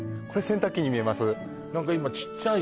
これ洗濯機に見えます！？